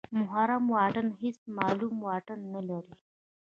محرم واټن هېڅ معلوم واټن نلري.